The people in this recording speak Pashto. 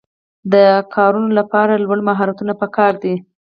د کارونو لپاره لوړ مهارتونه پکار دي.